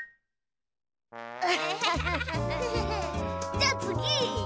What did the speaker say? じゃあつぎ！